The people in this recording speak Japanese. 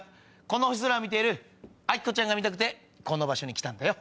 この星空を見てるアキコちゃんが見たくてこの場所に来たんだよ。